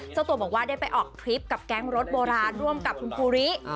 เจ้าตัวบอกว่าได้ไปออกทริปกับแก๊งรถโบราณร่วมกับคุณภูริ